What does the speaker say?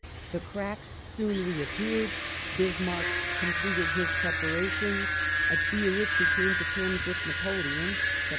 The cracks soon reap peared ; Bismarck completed his preparations ; at Biarritz he came to terms with Napoleon (Sept.